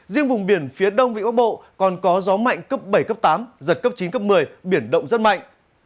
riêng vùng biển phía đông vị bắc bộ còn có gió mạnh cấp bảy cấp tám giật cấp chín cấp một mươi biển động rất mạnh